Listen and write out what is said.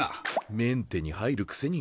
メンテに入るくせに。